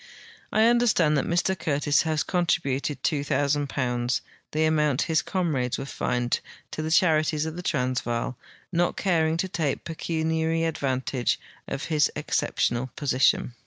I understand that Mr Curtis has contributed £2,000, the amount his comrades Avere fined, to the charities of the TransA'aal, not caring to take pecuniary advantage of his exceptional position.